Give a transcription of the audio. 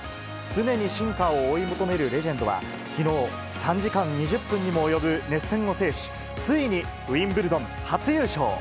常に進化を追い求めるレジェンドは、きのう、３時間２０分にも及ぶ熱戦を制し、ついにウィンブルドン初優勝。